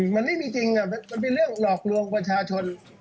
มันไม่มีจริงมันเป็นเรื่องหลอกลวงประชาชน